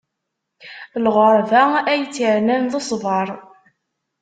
Lɣeṛba, ay tt-irnan, d ṣṣbeṛ.